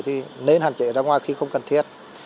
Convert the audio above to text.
thì nên hạn chế ra ngoài khi không cần thiết